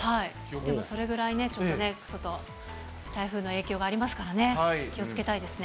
でもそれぐらいちょっと外、台風の影響がありますからね、気をつけたいですね。